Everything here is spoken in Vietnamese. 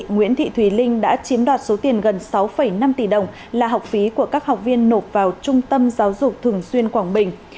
nguyễn thị thùy linh đã chiếm đoạt số tiền gần sáu năm tỷ đồng là học phí của các học viên nộp vào trung tâm giáo dục thường xuyên quảng bình